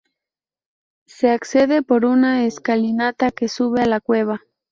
Se accede por una escalinata que sube a la cueva.